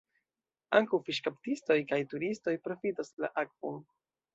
Ankaŭ fiŝkaptistoj kaj turistoj profitas la akvon.